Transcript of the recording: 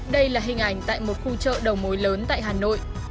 đây là hình ảnh tại một khu chợ đầu mối lớn tại hà nội